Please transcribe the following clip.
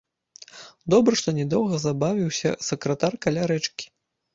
Добра што не доўга забавіўся сакратар каля рэчкі.